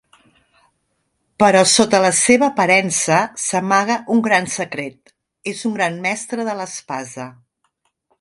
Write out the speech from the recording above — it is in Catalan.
Però sota la seva aparença s'amaga un gran secret, és un gran mestre de l'espasa.